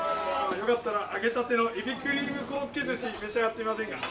よかったら、揚げたてのエビクリームコロッケ寿司、召し上がってみませんか？